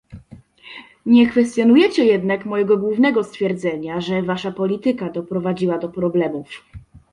Nie kwestionujecie jednak mojego głównego stwierdzenia, że wasza polityka doprowadziła do problemów